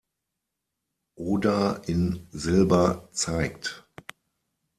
Oda in Silber zeigt.